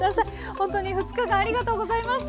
ほんとに２日間ありがとうございました。